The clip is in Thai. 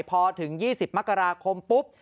พอถึง๒๐มกราคมปุ๊บ